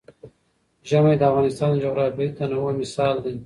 ژمی د افغانستان د جغرافیوي تنوع مثال دی.